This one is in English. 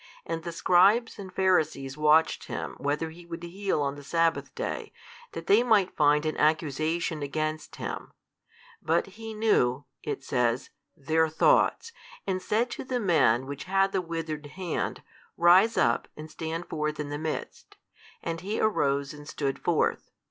And the Scribes and Pharisees watched Him whether He would heal on the sabbath day, that they might find an accusation against Him: but He knew (it says) their thoughts and said to the man which had the withered hand, Rise up and stand forth in the midst. And he arose and stood forth.